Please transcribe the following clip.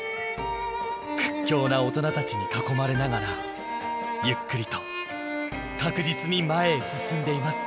屈強な大人たちに囲まれながらゆっくりと確実に前へ進んでいます。